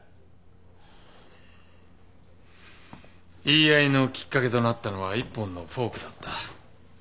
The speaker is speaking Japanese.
言い合いのきっかけとなったのは一本のフォークだった。